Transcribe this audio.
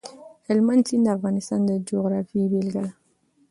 هلمند سیند د افغانستان د جغرافیې بېلګه ده.